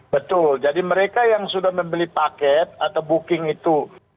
betul jadi mereka yang sudah membeli paket atau booking itu